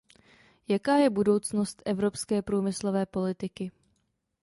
Jaká je budoucnost evropské průmyslové politiky?